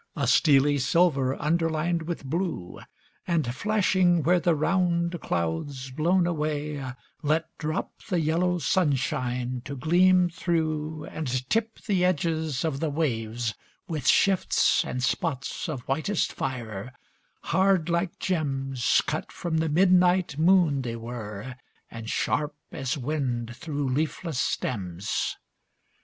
A steely silver, underlined with blue, And flashing where the round clouds, blown away, Let drop the yellow sunshine to gleam through And tip the edges of the waves with shifts And spots of whitest fire, hard like gems Cut from the midnight moon they were, and sharp As wind through leafless stems.